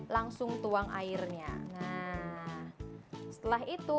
langsung tuang airnya nah setelah itu